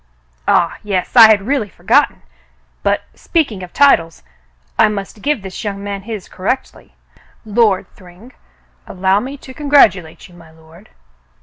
"Ah, yes. I had really forgotten. But speaking of titles — I must give this young man his correctly. Lord Thryng — allow me to congratulate you, my lord."